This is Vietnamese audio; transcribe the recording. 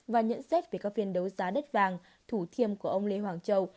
và nhận xét về các phiên đấu giá đất vàng thủ thiêm của ông lê hoàng châu